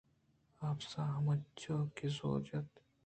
اپس ءَ ہمینچو کہ زور جت